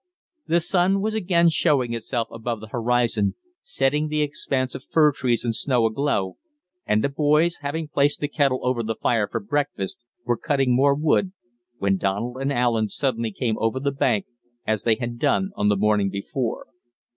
The sun was again showing itself above the horizon, setting the expanse of fir trees and snow aglow, and the boys, having placed the kettle over the fire for breakfast, were cutting more wood, when Donald and Allen suddenly came over the bank, as they had done on the morning before.